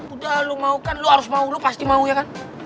udah lu mau kan lu harus mau lu pasti mau ya kan